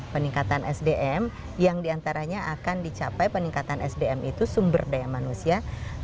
peningkatan sdm yang diantaranya akan dicapai peningkatan sdm itu sumber daya manusia